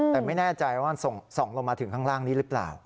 แต่ไม่แน่ใจว่ามันส่องลงมาถึงข้างล่างนี้หรือเปล่า